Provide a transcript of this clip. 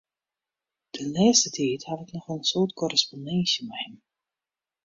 De lêste tiid haw ik noch wol in soad korrespondinsje mei him.